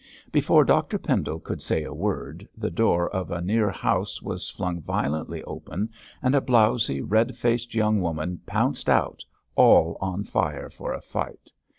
Before Dr Pendle could say a word, the door of a near house was flung violently open, and a blowzy, red faced young woman pounced out, all on fire for a fight.